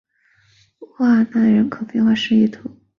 瓦德奈人口变化图示